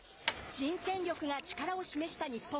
新戦力が力を示した日本。